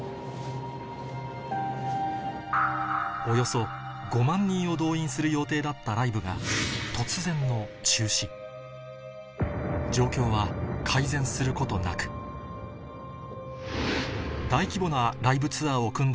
およそ５万人を動員する予定だったライブが突然の中止状況は改善することなく大規模なライブツアーを組んでいたＬＤＨ全体では